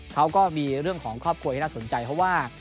เขาก็มีเรื่องของครอบครัวที่น่าสนใจเพราะว่า